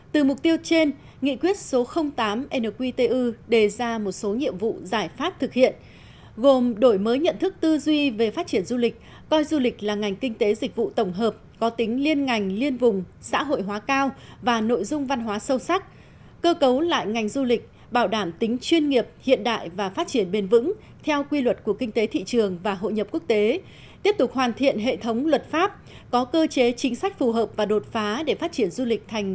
từ mục tiêu trên nghị quyết số tám nqtu đề ra một số nhiệm vụ giải pháp thực hiện gồm đổi mới nhận thức tư duy về phát triển du lịch coi du lịch là ngành kinh tế dịch vụ tổng hợp có tính liên ngành liên vùng xã hội hóa cao và nội dung văn hóa sâu sắc cơ cấu lại ngành du lịch bảo đảm tính chuyên nghiệp hiện đại và phát triển bền vững theo quy luật của kinh tế thị trường và hội nhập quốc tế tiếp tục hoàn thiện hệ thống luật pháp có cơ chế chính sách phù hợp và đột phá để phát triển du lịch thành